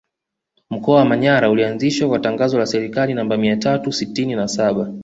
Mkoa wa Manyara ulianzishwa kwa tangazo la Serikali namba mia tatu sitini na saba